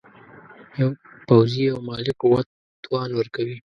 پوځي او مالي قوت توان ورکوي.